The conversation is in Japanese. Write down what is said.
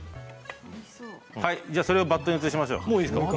それをバットに移しましょう。